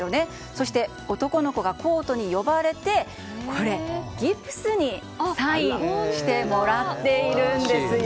そして男の子がコートに呼ばれてこれ、ギプスにサインしてもらっているんです。